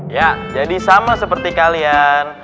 ya jadi sama seperti kalian